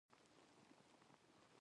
د شیدو د کمیدو لپاره باید څه شی وکاروم؟